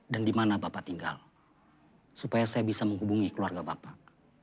dan di mana bapak tinggal supaya saya bisa menghubungi keluarga bapak